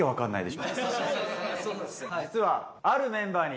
実は。